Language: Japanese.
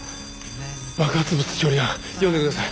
爆発物処理班呼んでください。